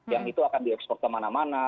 yang itu akan diekspor kemana mana